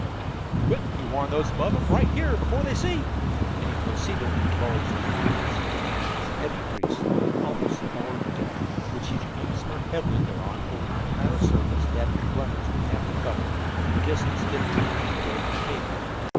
"Quick!" he warned those about him. "Right here before they see." And he proceeded to divulge the contents of the can as a heavy grease, almost the color of the deck, which he began to smear heavily thereon over the entire surface that the runners would have to cover, from a distance fifteen feet away from the tape.